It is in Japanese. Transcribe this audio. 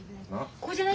ここじゃない？